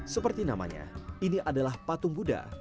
seperti namanya ini adalah patung buddha